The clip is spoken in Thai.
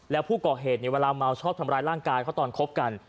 แล้วผู้ก่อเหตุเนี่ยเวลาเมาชอบทำร้ายร่างกายเขาตอนคบกัน